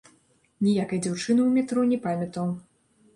Ніякай дзяўчыны ў метро не памятаў.